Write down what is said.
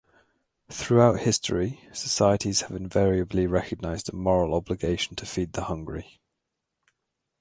Throughout history, societies have invariably recognized a moral obligation to feed the hungry.